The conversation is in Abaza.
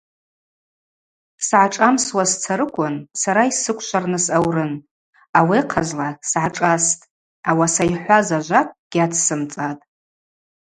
Сгӏашӏамсуа сцарыквын сара йсыквшварныс аурын, ауи ахъазла сгӏашӏастӏ, ауаса йхӏваз ажвакӏ гьацсымцӏатӏ.